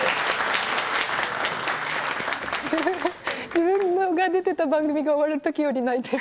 自分が出てた番組が終わる時より泣いてる。